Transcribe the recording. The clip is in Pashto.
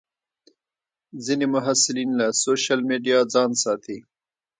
ځینې محصلین له سوشیل میډیا ځان ساتي.